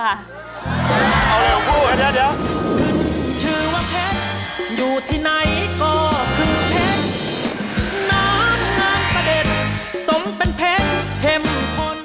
เอาเร็วพูดเดี๋ยว